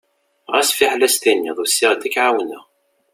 Ɣas fiḥel ad s-tiniḍ usiɣ-d ad k-εawneɣ.